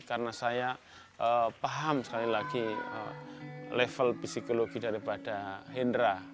karena saya paham sekali lagi level psikologi daripada hindra